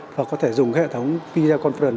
và có thể dùng cái hệ thống pida conference